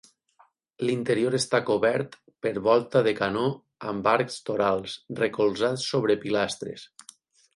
L'interior està cobert per volta de canó amb arcs torals recolzats sobre pilastres.